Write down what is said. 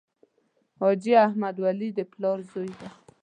حاجي احمد ولي د پلار زوی دی.